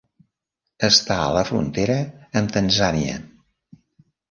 Està a la frontera amb Tanzània.